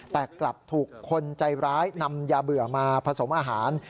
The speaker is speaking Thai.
แต่กลับถูกคนใจร้ายนำยาเบื่อมาผสมอาหาร